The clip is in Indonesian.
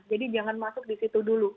jadi jangan masuk di situ dulu